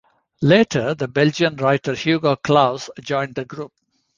Later the Belgian writer Hugo Claus joined the group.